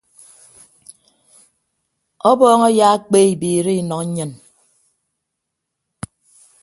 Ọbọñ eyekpe ebiere ọnọ nnyịn.